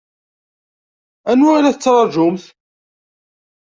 Anwa i la tettṛaǧumt?